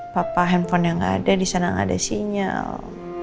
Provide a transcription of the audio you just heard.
papa handphone yang gak ada disana gak ada sinyal